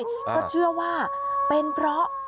ก็เชื่อว่าเป็นเพราะ